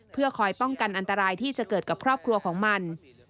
เพื่อคอยป้องกันอันตรายที่จะเกิดกับครอบครัวของมัน